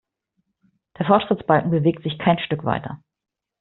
Der Fortschrittsbalken bewegt sich kein Stück weiter.